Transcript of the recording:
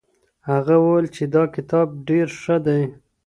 هغه وویل چي دا کتاب ډېر ښه دی.